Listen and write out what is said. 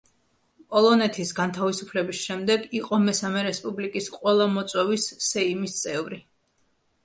პოლონეთის განთავისუფლების შემდეგ, იყო მესამე რესპუბლიკის ყველა მოწვევის სეიმის წევრი.